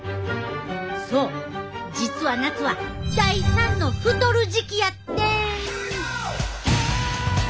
そう実は夏は第３の太る時期やってん！